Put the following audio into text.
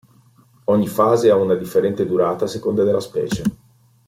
Ogni fase ha una differente durata a seconda della specie.